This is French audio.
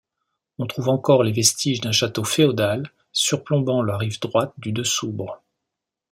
On trouve encore les vestiges d'un château féodal surplombant la rive droite du Dessoubre.